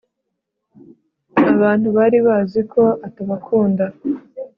abantu bari bazi ko atabakunda